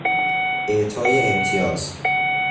اعطای امتیاز